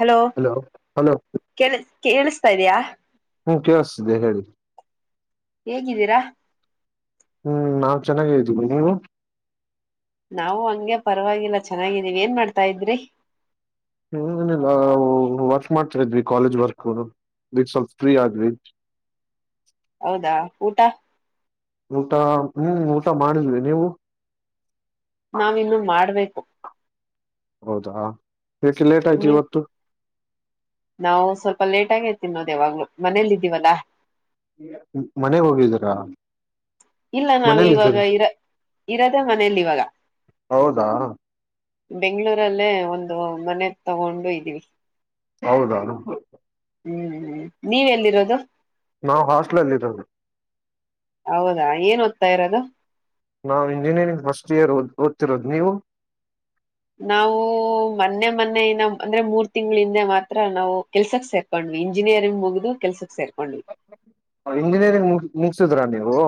Hello ಕೆ ಕೇಳಿಸತಾ ಇದಯಾ ಹ್ಮ ಕೇಳಸಿದ್ದೆ ಹೇಳಿ ಹೇಗಿದ್ದೀರಾ ಹ್ಮ್ ನಾವು ಚೆನ್ನಾಗ್ದೀವಿ ನೀವು ನಾವು ಹಂಗೆ ಪರವಾಗಿಲ್ಲ ಚೆನ್ನಾಗಿದ್ದೀವಿ ಏನ್ ಮಾಡ್ತಾ ಇದ್ರಿ ಹ್ಮ ವರ್ಕ್ ಮಾಡ್ತಾ ಇದ್ವಿ ಕಾಲೇಜ್ ವರ್ಕ್ ಈಗ ಸ್ವಲ್ಪ ಫ್ರೀ ಆದ್ವಿ. ಹೌದಾ ಊಟ ಊಟ ಹ್ಮ್ ಊಟ ಮಾಡಿದ್ವಿ ನೀವು ನಾವಿನ್ನು ಮಾಡ್ಬೇಕು ಹೌದಾ ಹೇಕೆ ಲೇಟ್ ಆಯ್ತು ನೀವ್ ಇವತ್ತು ಒಟ್ಟಾಗ ತಿನ್ನದೇವಾಗ್ಲು ಮನೇಲ್ಲ ಇದ್ದೀವಲ್ಲಾ ಮನೆಗ್ ಹೋಗಿದ್ದರಾ ಇಲ್ಲ ನಾವು ಇವಾಗ ಇರ ಇರದೆೇ ಮನೇಲಿ ಇವಾಗ ಹೌದಾ ಬೆಂಗಳೂರಲ್ಲೇ ಒಂದು ಮನೆ ತಗೊಂಡು ಇದ್ದೀವಿ ಹೌದಾ ಹ್ಮ್ ಹ್ಮ್ ನೀವ ಎಲ್ಲಿರೋದು ನಾವು ಹಾಸ್ಟಲ್ ಅಲ್ಲಿ ಇರೋದು ಹೌದಾ ಏನ್ ಓದ್ತಾ ಇರೋದು ನಾವು ಇಂಜಿನಿಯರಿಂಗ್ ಫಸ್ಟ್ ಇಯರ್ ಓದ್ತಿರೋದು ನೀವು ನಾವು ಮೊನ್ನೆ ಮೊನ್ನೆ ನ ಅಂದ್ರೆ ಮೂರ್ ತಿಂಗಳ ಹಿಂದೆ ಮಾತ್ರ ನಾವು ಕೆಲ್ಸಕ್ ಸೇರ್ಕೊಂಡ್ ಇಂಜಿನಿಯರಿಂಗ್ ಮುಗುದು ಕೆಲ್ಸಕ್ ಸೇಲ್ ಇಂಜಿನಿಯರಿಂಗ್ ಮು ಮುಗಸುದ್ರ ನೀವು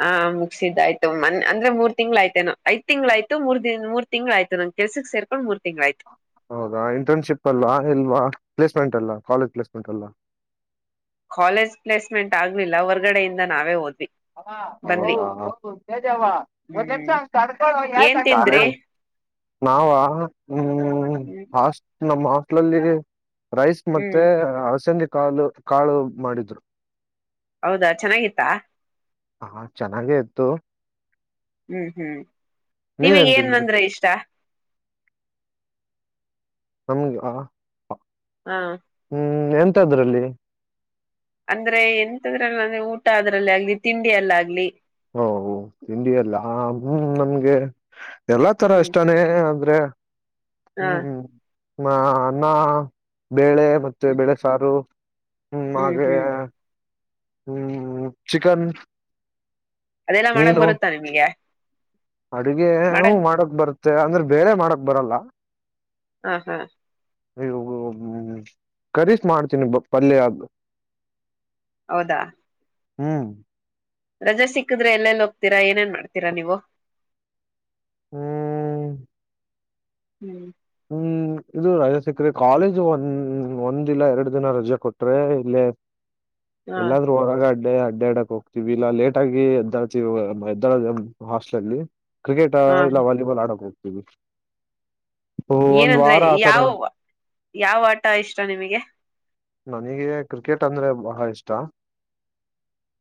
ಹ ಮುಗ್ಸಿದ್ದಾಯಿತು ಮನ್ ಅಂದ್ರೆ ಮೂರ್ ತಿಳಾಯಯ್ತೇನು ಐ ತಿಂಗ್ಗಳಾಯ್ತ ಮೂರ್ ದ ಮೂರ್ ತಿಂಗ್ಳಾಯ್ತು ನಂಗೆ ಕೆಲ್ಸಕ್ಕೆ ಸೇಕೊಂಡು ಮೂರು ತಿಗಳಾಯ್ತು ಹೌದಾ ಇಂಟರ್ನ್ಶಿಪ್ ಅಲ್ವಾ ಇಲ್ವಾ ಪ್ಲೇಸ್ಮೆಂಟ್ ಅಲ್ ಕಾಲೇಜ್ ಪ್ಲೇಸ್ಮೆಂಟ್ ಅಲ್ಲ ಕಾಲೇಜ್ ಪ್ಲೇಸ್ಮೆಂಟ್ ಆಗ್ಲಿಲ್ಲ ಹೊರ್ಗಡೆಯಿಂದ ನಾವೇ ಓದ್ವಿ ಹಾ ಹ ಹ ಜವಾ ಮ ನಿಮ ಹ್ಮ್ ಸ ತಾರ್ಕಳ ಯ ಸ ಏನ್ ತಿಂದ್ರಿ ನಾವ ಹ್ಮ್ ಹ್ಮ್ ಸ್ಟ್ ನಮ್ಮ ಹಟ್ಲಲ್ಲಿ ರೈಸ್ ಹ್ಮ್ ಮತ್ತೆ ಹಸಂದಿ ಕಾಲು ಕಾಳು ಮಾಡಿದ್ರು ಹೌದಾ ಚೆನ್ನಾಗಿತ್ತಾ ಹಾ ಚೆನ್ನಾಗೇ ಇತ್ತು ಹ್ಮ್ ಹ್ಮ್ ನಿಮಗ್ ನೀವೇನ್ ಏನ್ ಅಂದ್ರೆ ತಿಂದ್ರಿ ಅಂದ್ರೆ ಇಷ್ಟ ನಮ್ಗೆ ಹಾ ಹ್ಮ್ ಎಂತದ್ರಲ್ಲಿ ಅಂದ್ರೆ ಎಂತದ್ರಲ್ಲ ಅಂದ್ರೆ ಊಟ ಅದ್ರಲ್ಲಿ ಆಗ್ಲಿ ತಿಂಡಿ ಎಲ್ಲ ಆಗ್ಲಿ ಹಓ ತಿಂಡಿ ಎಲ್ಲ ಹ್ಮ ನಮ್ಗೆ ಎಲ್ಲಾ ತರ ಹ್ಮ್ ಇಷ್ಟಾನೇ ಆದೆ ಹ ಹ್ಮ್ ನ ನಾ ಬೇಳೆ ಮತ್ತೆ ಬೆಳೆ ಸಾರು ಹ್ಮ ಹ್ಮ್ ಹಾಗೆ ಹ್ಮ್ ಹ್ಮ್ ಚಿಕನ್ ಅದೆಲ್ಲಾ ಮಾಡಕ್ ಮೀನು ಬರುತ್ತಾ ನಿಮಗೆ ಅಡುಗೆ ಹೂ ಮಾಡಕ್ ಬರುತ್ತೆ ಅಂದ್ರೆ ಬರೆ ಮಾಡಕ್ ಬರಲ್ಲ ಹಾ ಹಾ ಇ್ಮ ಕರೀಸ ಮಾಡ್ತೀನಿ ಪಲ್ಯಗ್ ಹೌದಾ ಹ್ಮ್ ರಜೆ ಸಿಕ್ಕಿದ್ರೆ ಎಲ್ಲೆಲ್ಲಿ ಹೋಗ್ತೀರಾ ಏನೇನ್ ಮಾಡ್ತೀರಾ ನೀವು ಹ್ಮ್ ಹ್ಮ್ ಹ್ಮ್ ಇದು ರಜೆ ಸಿಕ್ಕ್ರೆ ಕಾಲೇಜು ಒಂದ ಒಂದಿನ ಎರಡು ದಿನ ರಜೆ ಕೊಟ್ರೆ ಇಲ್ಲೇ ಹ ಎಲ್ಲಾದೂರ ಅಡ್ ಡೆ ಅಡ್ಡ ಅಡ್ಡಕ್ ಹೋಗ್ತೀವಿ ಇಲ್ಲಾ ಲೇಟ್ ಆಗಿ ಎದ್ದಾಡ್ತವಿ ಎದ್ದಾ ಹಾಸ್ಟೆ ಅಲ್ಲಿ ಕ್ರಿಕೆಟ್ ಹ ಇಲ್ಲ ವಾಲಿಬಾಲ್ ಆಡಕ್ ಹೋಗ್ತೀವಿ ಒಂದ್ ಏನಂದ್ರೆ ವಾರ ಆತರ ಯಾವ ಯಾವ ಆಟ ಇಷ್ಟ ನಿಮಗೆ ನನಗೆ ಕ್ರಿಕೆಟ್ ಅಂದ್ರೆ ಬಹಳ ಇಷ್ಟ.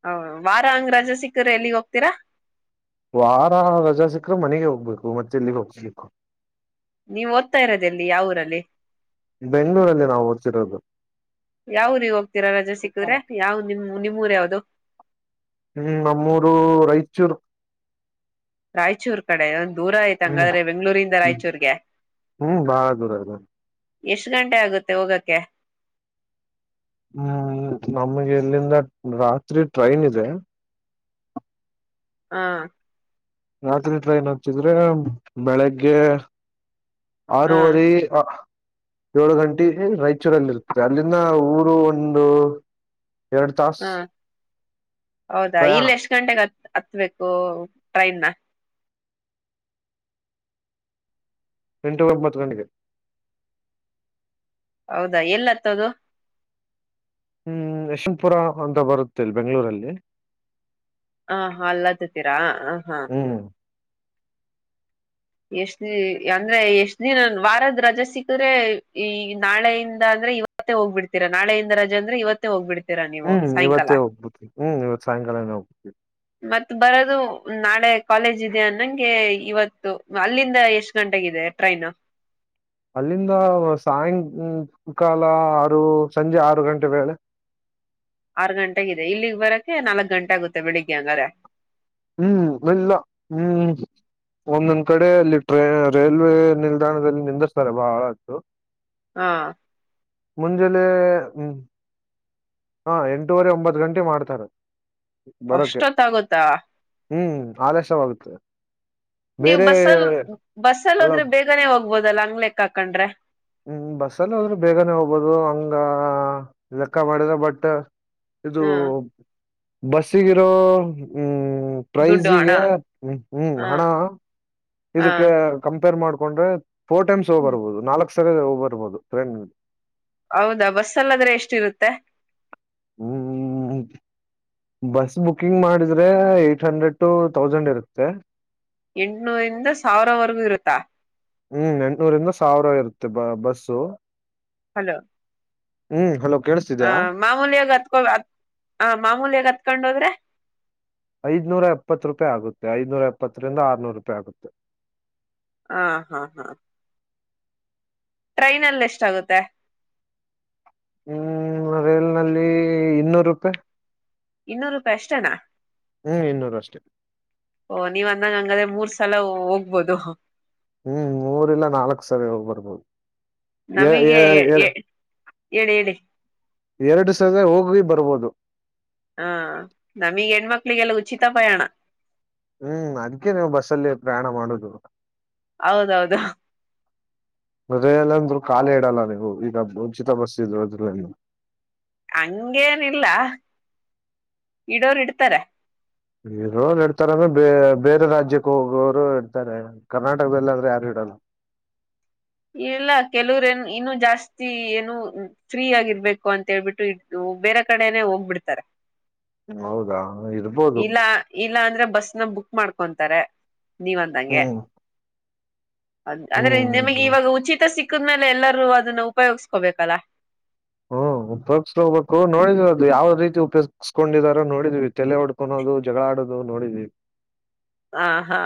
ಹ ವಾರ ಹಂಗ್ ರಜೆ ಸಿಕ್ಕ್ರ ಎಲ್ಲಿಗ್ ಹೋಗ್ತೀರಾ. ವಾರ ರಜಾ ಸಿಕ್ಕ್ರ ಮನೆಗೆ ಹೋಗ್ಬೇಕು ಮತ್ತೆ ಎಲ್ಲಿಗೆ ಹೋಗ್ಬೇಕು. ನೀವು ಓದ್ತಾ ಇರೋದು ಎಲ್ಲಿ ಯಾವ ಊರಲ್ಲಿ? ಬೆಂಗಳೂರಲ್ಲಿ ನಾವು ಓದ್ತಾ ಇರೋದು ಯಾವ ಹೋಗ್ತೀರಾ ರಜೆ ಸಿಕ್ಕಿದ್ರೆ ಯಾವ ನಿಮ ನಿಮ್ಮೂರ ಯಾವ್ದದು ಹ್ಮ್ ನಮ್ಮೂರು ರಾಯಚೂರ್ ರಾಯಚೂರ್ ಕಡೆ ಯಾ ದೂರ ಆಯ್ತ ಹಂಗಾದ್ರೆ ಬೆಂಗ್ಗಳೂರಿಂದ ರಾಯಚೂರ್ಗೆ ಹ್ಮ್ ಬಾಳ ದೂರ ಇದೆ ಎಷ್ಟು ಗಂಟೆ ಆಗುತ್ತೆ ಹೋಗಕ್ಕೆ ಹ್ಮ್ ನಮಗೆ ಇಲ್ಲಿಂದ ರಾತ್ರಿ ಟ್ರೈನ್ ಇದೆ ಹಾ ರಾತ್ರಿ ಟ್ರೈನ್ ಹಚ್ಚಿದ್ರೆ ಬೆಳಿಗ್ಗೆ ಹ ಆರುುವ [unintelligible] ಏಳು ಗಂಟೆ ರಾಯಚೂರಲ್ಲಿ ಇರ್ತದೆ ಅಲ್ಲಿಂದ ಊರು ಒಂದು ಎರಡು ತಾಸ ಹ ಹೌದಾ ಪ್ರಯಾಣ ಇಲ್ಲ ಎಷ್ಟ್ ಗಂಟೆಗೆ ಹತ್ ಹತ್ಬೇಕು ಟ್ರೈನ್ ಎಂಟಬೊಂತ್ತು ಗಂಡಿಗೆ ಹೌದಾ ಎಲ್ಲತ್ತದು ಹ್ಮ್ ಯಶವಂತಪುರ ಅಂತ ಬರುತ್ತೆಲ್ ಬೆಂಗ್ಗಳೂರಲ್ಲಿ. ಹ ಹ ಅಲ್ಲತ್ತೀರಾ ಹ ಹಾ ಹ್ಮ್ ಎಷ್ಟ ಅಂದ್ರೆ ಎಷ್ಟ ದಿನ ವಾರದ್ ರಜೆ ಸಿಕ್ಕ್ರೆ ಈ ನಾಳೆಯಿಂದ ಇವತ್ತ ಹ್ಬಿಡ್ತೀಾ ನಾಳೆಯಿಂದ ರಜ ಅಂದ್ರೆವತ್ತ ಹೋಗ್ಬಡ್ತೀ ಹ್ಮ್ ಇವತ್ತೇ ಹೋಗ್ಬಿತಿವಿ ಹ್ಮ್ ಇವತ್ ಸಾಯಂಕಾಲನೇ ಹೋಗ್ಬಿವಿ ಮತ್ ಬರೋದು ನಾಳೆ ಕಾಲೇಜ್ ಇದೆ ಅನ್ನಂಗೆ ಇವತ್ತು ಅಲ್ಲಿಂದ ಎಷ್ಟು ಗಂಟೆಗಿದೆ ಟ್ರೈನ್ ಅಲ್ಲಿಂದ ಸಾಯಂ ಕಾಲ ಆರು ಸಂಜೆ ಆರು ಗಂಟೆ ವೇಳೆ ಆರ್ ಗಂಟೆಗಿದೆ ಇಲ್ಲಿಗ್ ಬರಕ್ಕೆೆ ನಾಲ್ಕ್ ಗಂಟೆ ಆಗುತ್ತೆ ಬೆಳಿಗ್ಗೆ ಹಂಗ್ರೆ ಹ್ಮ್ ಎಲ್ಲ ಹ್ಮ್ ಒಂದೊಂದ್ ಕಡೆ ಅಲ್ಲಿ ಟ್ರೇ ರೈಲ್ವೆ ನಿಲ್ದಾಣದಲ್ಲಿ ನಿಂದಿಸ್ತಾರೆ ಬಹಳ ಅಷ್ಟು ಹಾ ಮುಂಜಲ ಹ್ಮ್ ಹಾ ಎಂಟೂುವರೆ ಒಂಬತ್ತು ಗಂಟೆ ಮಾಡ್ತಾರೆ ಬರೋಕೆ ಅಷ್ಟತ್ತಾಗತ ಹ್ಮ್ ಆಲೇಶವಾಗುತ್ತೆ ನೀವ್ ಬಸ್ಸಲ್ ಬಸ್ಸಲ್ ಅಲ್ಲ ಹೋದ್ರೆ ಬೇಗನೆ ಹೋಗ್ಬೋದಲ್ಲ ಅಂಗ್ಲೆಕ್ ಹಾಕಂಡ್ರೆ ಹ್ಮ್ ಬಸ್ಸಲ್ಲ ಆದದ್ರರು ಬೇಗನೆ ಹೋಗ್ಬೋದು ಹಂಗಲೆಕ್ಕ ಮಾಡ್ರ ಬಟ್ ಇದು ಹಾ ಬಸ್ಸಿಗಿರೋ ಹ್ಮ್ ದುಡ್ಡು ಹಣ ಪ್ರೈಸಿಗೆ ಹ ಹ್ಮ ಹಾ ಹಣ ಹಾ ಇದಕ್ಕೆ ಕಂಪೇರ್ ಮಾಡ್ೊ ಹಕೊಂಡ್ರೆ ಫೋರ್ ಟೈಮ್ಸ್ ಹೋಗ್ಬರ್ಬಹುದು ನಾಲ್ಕ್ ಸರ ಹೋಗ್ಬರ್ಬಹುದು ಟ್ರೈಂಡ್ಲ್ಲಿ ಹೌದಾ ಬಸ್ ಅಲ್ಲಾದ್ರೆ ಎಷ್ಟಿರುತ್ತೆ ಹ್ಮ್ ಬಸ್ ಬುಕಿಂಗ್ ಮಾಡಿದ್ರೆ ಏಟ್ ಹಂಡ್ರೆಡ್ ಟು ತೌಸಂಡ್ ಇರುತ್ತೆ ಎಂಟನೂರಿಂದ ಸಾವಿರವರೆಗೂ ಇರುತ್ತಾ ಹ್ಮ್ ಎಂಟನೂರಿಂದ ಸಾವಿರ ಇರುತ್ತೆ ಬ ಬಸ್ಸು ಹಲೋ ಹ್ಮ್ ಹಲೋ ಹ ಕೇಳಿಸ್ತಿದ್ಯಾ ಮಾಮೂಲ್ಯಾಗ ಹತ್ಕೊ ಆ ಮಾಮೂಲ್ಯಾಗ ಹತ್ಕೊಂಡೋದ್ರೆ ಐದ್ನೂರ ಎಪ್ಪತ್ ರೂಪಾಯಿ ಆಗುತ್ತೆ ಐದನೂರ ಎಪ್ಪತ್ತರಿಂದ ಆರ್ನೂರು ರೂಪಾಯಿ ಆಗುತ್ತೆ ಹಾ ಹಾ ಹಾ ಟ್ರೈನ ಅಲ್ಲಿ ಎಷ್ಟಾಗುತ್ತೆ ಹ್ಮ್ ರೈಲ್ ನಲ್ಲಿ ಇನ್ನೂರು ರೂಪಾಯಿ ಇನ್ನೂರು ರೂಪಾಯಿ ಅಷ್ಟೇನಾ ಹ್ಮ್ ಇನ್ನೂರು ಅಷ್ಟೇ ಓ ನೀವ್ ಅಂದಂಗ ಹಂಗಾದ್ರೆ ಮೂರ್ ಸಲ ಹೋಗ್ಬೋದು ಹ್ಮ್ ಮೂರ್ ಇಲ್ಲ ನಕ್ಳು ಸರಿ ಹೋಗ್ ಬರ್ಬೋದು ಎ ನಮಗೆ ಎ ಹೇಳಿ ಹೇಳಿ ಎರಡು ಸಾಲಿ ಹೋಗಿ ಬರ್ಬೋದು [inaudible] ಹಾ ನಮೀಗ್ ಹೆಣ್ಮಕ್ಳಿಗೆಲ್ಲ ಉಚಿತ ಪಯಣ ಹ್ಮ್ ಅದ್ಕ ನೀವು ಬಸ್ಸಲ್ಲಿ ಪ್ರಯಾಣ ಮಾಡುದು ಹೌದೌದು ಕಲೆ ಇಡಲ್ಲ ನೀವು ಈಗ ಉಚಿತ ಬಸ್ ಅದ್ರ ಹಂಗಗೆೇನಿಲ್ಲ ಇಡೋರು ಇಡ್ತಾರೆ ಇರೋನ್ ಇಡ್ತಾರ ಅಂದ್ರೆ ಬ ಬೇರೆ ರಾಜ್ಯಕ್ಕೆ ಹೋಗೋವರು ಇಡ್ತಾರೆ ಕರ್ನಾಟಕದಲ್ಲಿ ಆದ್ರೆ ಯಾರು ಯಾರ್ [unintelligible] ಇಲ್ಲ ಕೆಲವ್ರ ಏನ್ ಇನ್ನು ಜಾಸ್ತಿ ಏನು ಫ್ರೀ ಆಗಿರ್ಬೇಕು ಅಂತ ಹೇಳ್ಬಿಟ್ಟು ಇದ್ದು ಬೇರೆ ಕಡೆ ಹೋಗ್ಬಿಡ್ತಾರೆ ಹೌದಾ ಇರ್ಬೋದು ಇಲ್ಲ ಇಲ್ಲ ಅಂದ್ರೆ ಬಸ್ ಬಸ್ನಾ ಬುಕ್ ಮಾಡ್ಕೊಂತಾರೆ ನೀವ ಅಂದಂಗೆ ಹ್ಮ್ ಅದ ಆದ್ರೆ ಹ್ಮ್ ಹ್ಮ್ ನಿಮಗೆ ಹ್ಮ್ ಇವಾಗ ಉಚಿತ ಸಿಕ್ಕದ್ಮೇಲೆ ಎಲ್ಲರೂ ಅದನ್ನ ಉಪಯೋಗಿಸಕೋಬೇಕಲ್ಲ [inaudible] ಉಪಯೋಗ್ಸೋಗ್ಬೇಕು ನೋದ್ವಿ ಅದು ಯಾವ್ ರೀತಿ ಉಪಯೋಗ್ಸ್ಕೊಂಡಿದಾರೋ ನೋಡಿದ್ವಿ ತಲೆ ಹೊಡ್ಕೋದು ಜಗಳ ಆಡೋದು ದು ನೋಡಿದೀವಿ ಹ ಹಾ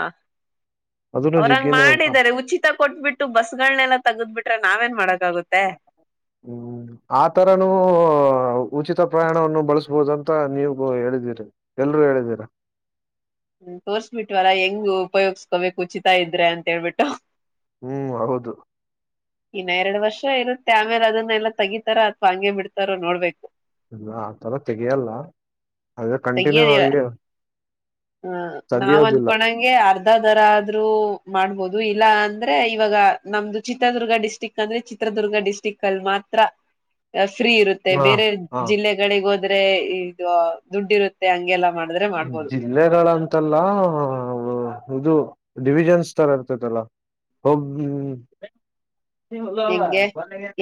ಅದನ್ನು ಅವ್ರಂಗ್ ಜಿಗ್ಗಿನೇ ಮಾಡಿದಿದ್ದಾರೆ ಉಚಿತ ಕೊಟ್ಬಿಟ್ಟು ಬಸ್ಗಳನೆಲ್ಲ ತೆಗದ್ಬಿಟ್ರೆ ನಾವೇನ್ ಮಾಡಕ್ಗುತ್ತೆ ಹ್ಮ್ ಆತರನೂ ಉಚಿತ ಪ್ರಯಾಣವನ್ನು ಬಳಸಬೋದ ಅಂತ ನೀವ ಹೇಳಿದೀರಿ ಎಲ್ರು ಹೇಳಿದೀರ ಹ್ಮ ತೋರ್ಸ್ಬಿಟ್ವಲ್ಲಾ ಹೆಂಗ್ ಉಪಯೋಗಸ್ಕೋಬೇಕು ಉಚಿತ ಇದ್ರೆ ಅಂತ ಹೇಳ್ಬಿಟ್ಟು ಹ್ಮ್ ಹೌದು ಇನ್ನ ಎರಡು ವರ್ಷ ಇರುತ್ತೆ ಆಮೇಲೆ ಅದನ್ನ ಎಲ್ಲಾ ತಗೀತಾರ ಅಥವಾ ಹಂಗೆ ಬಿಡ್ತಾರೋ ನೋಡ್ಬೇಕು ಆತರ ತೆೆಗೆಯಲ್ಲ ಅ್ರ ಕಂಟಿನ್ಯೂ ತೆಗಿಯದಿಲ್ಲ ಆಗಿದೆ ಹ ನಾವ್ ಅನ್ಕೊಂಡಂಗೆ ಅರ್ಧದರ ಆದ್ರರು ಮಾಡ್ಬೋದು ಇಲ್ಲ ಅಂದ್ರೆ ಇವಾಗ ನಮ್ದು ಚಿತ್ರದುರ್ಗ ಡಿಸ್ಟಿಕ್ ಅಂದ್ರೆ ಚಿತ್ರದುರ್ಗ ಡಿಸ್ಟ್ರಿಕ್ ಅಲ್ಲಿ ಮಾತ್ರ ಫ್ರೀ ಇರುತ್ತೆ ಹಾ ಬೇರೆ ಹಾ ಜಿಲ್ಲೆಗಳಿಗೆ ಹೋದ್ರೆ ಇದು ದುಡ್ಡಿ ಇರುತ್ತೆ ಹಂಗೆಲ್ಲ ಜಿಲ್ಲೆಗಳ ಇಲ್ಲ ಇದು ಡಿವಿಜನ್ಸ್ ತರ ಇತೈತಲ್ಲ ಹೆಂಗೆ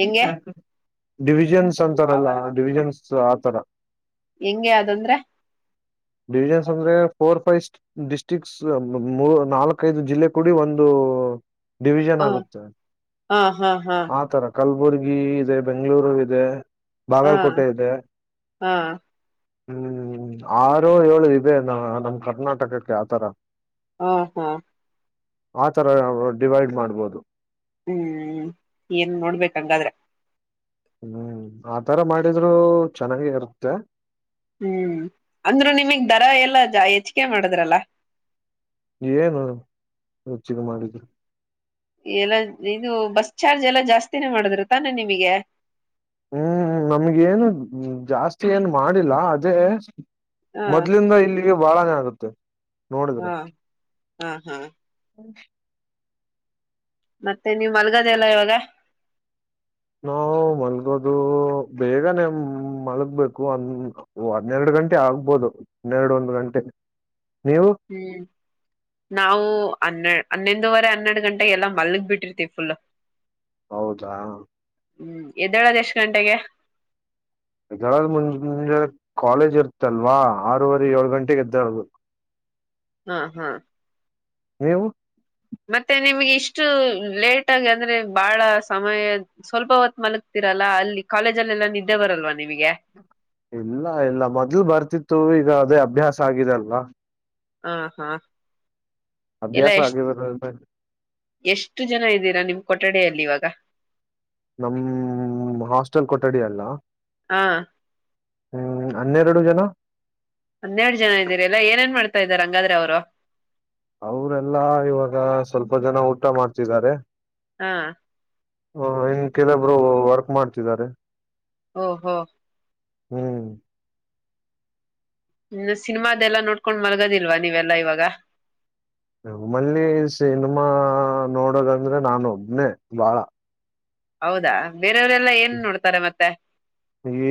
ಹೆಂಗೆ ಡಿವಿಜನ್ಸ್ ಅಂತಾರಲ್ಲ ಡಿವಿಜನ್ಸ್ ಆತರ ಹೆಂಗೆ ಅದಂದ್ರೆ ಡಿವಿಜನ್ಸ್ ಅಂದ್ರೆ ಫೋರ್ ಫೈವ್ ಡಿಸ್ಟ್ರಿಕ್ಸ್ ಮೂ ನಾಲ್ಕೈದು ಜಿಲ್ಲೆ ಕೂಡಿ ಒಂದು [inaudible] ಡಿವಿಷನ್ ಹ್ಮ್ ಆಗುತ್ತೆ ಹಾ ಹಾ ಹಾ ಆತರ ಕಲಬುರ್ಗಿ ಇದೆ ಬೆಂಗ್ಳೂರು ಇದೆ ಹಾ ಬಾಗಲಕೋಟೆ ಇದೆ ಹ ಹ್ಮ್ ಆರು ಏಳೋ ಇದೆ ನ ನಮ್ ಕರ್ನಾಟಕಕ್ಕೆ ಆತರ ಹ ಹಾ ಆತರ ಡಿವೈಡ್ ಮಾಡ್ಬೋದು ಹ್ಮ್ ಏನ್ ನೋಡಬೇಕು ಹಂಗಾದ್ರೆ ಹ್ಮ್ ಆತರ ಮಾಡಿದ್ರು ಚೆನ್ನಾಗಿ ಇರುತ್ತೆ ಹ್ಮ್ ಅಂದ್ರರು ನಿಮಗ್ ದರ ಎಲ್ಲಾ ಜ ಹೆಚ್ಚಿಕೆ ಮಾಡದ್ರಲ್ಲ ಏನು ರುಚಿಗೆ ಮಾಡಿದರು ಎಲ್ಲ ಇದು ಬಸ್ ಚಾರ್ಜ್ ಎಲ್ಲಾ ಜಾಸ್ತಿನೇ ಮಾಡುದ್ರ ತಾನೇ ನಿಮಗೆ ಹ್ಮ್ ನಮ್ಗ ಏನು ಜಾಸ್ತಿ ಏನ್ ಮಾಡಿಲ್ಲ ಅದೇ ಹಾ ಮೊದ್ಲಿಂದ ಇಲ್ಲಿಗೆ ಬಾಳಾನೆ ಆಗುತ್ತೆ ನೋಡಿದ್ರ ಹಾ ಹಾ ಹಾ ಮತ್ತೆ ನೀವ ಮಲ್ಗದೆ ಎಲ್ಲ ಇವಾಗ ನಾವವು ಮಲ್ಗೋದು ಬೇಗನೆ ಮಲ್ಗ್ಬೇಕು ಒ ಹನ್ನೆರಡು ಗಂಟೆ ಆಗ್ಬೋದುನ್ನೆರಡು ಒಂದು ಗಂಟೆ ನೀವು ಹ್ಮ್ ನಾವು ಅನ್ನ ಹನ್ನೆಂದೂುವರೆ ಹನ್ನೆರಡು ಗಂಟೆ ಎಲ್ಲಾ ಮಲ್ಗ್ ಬಿಟ್ಟಿರ್ತತಿವಿ ಫುಲ್ ಹೌದಾ ಹ್ಮ್ ಎದ್ದೇಳದ್ ಎಷ್ಟ ಗಂಟೆಗೆ ಮುಂಜ ಕಾಲೇಜ್ ಇರ್ತಲ್ವಾ ಆರೂವರೆ ಏಳು ಗಂಟೆಗೆ ಎದ್ದಾರು ಹ್ಮ್ ಹ್ಮ್ ಹವು ಮತ್ತೆ ನಿಮ್ಗೆ ಇಷ್ಟು ಲೇಟ್ ಆಗಿ ಅಂದ್ರೆ ಬಾಳ ಸಮಯ ಸ್ವಲ್ಪ ಹೊತ್ ಮಲಗ್ತಿ ರಲ್ಲ ಅಲ್ಲಿ ಕಾಲೇಜಲ್ಲೆಲ್ಲ ನಿದ್ದೆ ಬರಲ್ವಾ ನಿಮಗೆ ಇಲ್ಲ ಇಲ್ಲ ಮೊದ್ಲ್ ಬರ್ತಿತ್ತು ಈಗ ಅದೇ ಅಭ್ಯಾಸ ಆಗಿದೆಲ್ವಾ ಹ ಹಾ ಎಲ್ಲ ಅಭ್ಯಾಸ ಎಷ್ಟ್ ಆಗಿ ಬರ ಎಷ್ಟು ಜನ ಇದ್ದೀರಾ ನಿಮ್ ಕೊಠಡಲ್ಲಿ ಇವಾಗ ನಮ್ಮ ಹಾಸ್ಟೆಲ್ ಕೊಠಡಿ ಅಲ್ಲ ಹಾ ಹ್ಮ್ ಹನ್ನೆರಡು ಜನ ಹನ್ನೆರಡು ಜನ ಇದ್ದೀರಿ ಎಲ್ಲಾ ಏನೇನ್ ಮಾಡ್ತಾ ಇದಾರೆ ರಂಗಾದ್ರೆ ಅವರು ಅವರೆಲ್ಲಾ ಇವಾಗ ಸ್ವಲ್ಪ ಜನ ಊಟ ಮಾಡ್ತಿದ್ದಾರೆ ಹಾ ಹ ಇನ್ ಕೆಲಬ್ರು ವರ್ಕ್ ಮಾಡ್ತಿದ್ದಾರೆ ಹ್ಮ ಹಾ ಹ್ಮ್ ಹ್ಮ ಸಿನಿಮಾದೆಲ್ಲಾ ನೋಡ್ಕೊಂಡ್ ಮಲ್ಗದಿಲ್ವಾ ನೀವೆಲ್ಲಾ ಇವಾಗ ಮ್ಮಲ್ಲಿ ಸಿನಿಮಾ ನೋಡೋದಂದ್ರೆ ನಾನ ಒಬನೇ ಬಾಳ ಹೌದಾ ಬೇರೆಯವರೆಲ್ಲ ಏನ್ ನೋಡ್ತಾರೆ ಮತ್ತೆ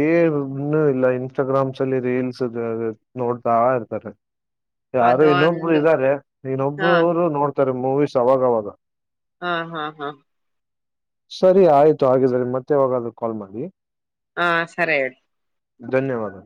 ಏನು ಇಲ್ಲ ಇನ್ಸ್ಟಾಗ್ರಾಮ್ಸ್ ಅಲ್ಲಿ ರೀಲ್ಸ್ ನೋಡ್ತಾ ಇರ್ತಾರೆ ಯಾರು ಅದು ಇನ್ನೊಬ್ರು ಒಂದು ಇದಾರೆ ಹಾ ಇನ್ನೊಬ್ಬರುರು ನೋಡ್ತಾರೆ ಮೂವೀಸ್ ಅವಾಗವಾಗ ಹಾ ಹಾ ಹಾ ಸರಿ ಆಯ್ತು ಹಾಗಿದ್ರೆ ಮತ್ತೆವಾಗಾದ ಕಾಲ್ ಮಾಡಿ ಹಾ ಸರಯಡು ಧನ್ಯವಾದ